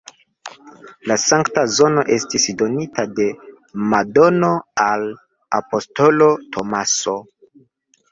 La sankta zono estis donita de Madono al apostolo Tomaso.